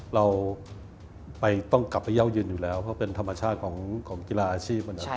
เราต้องกลับไปเย่ายืนอยู่แล้วเพราะเป็นธรรมชาติของกีฬาอาชีพ